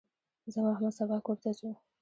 زه او احمد سبا کور ته ځو.